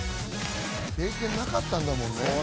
経験なかったんだもんね。